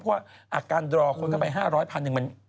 เพราะว่าอาการดรอคนก็ไป๕๐๐พัน